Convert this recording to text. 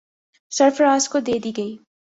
سرفراز کو دے دی گئی۔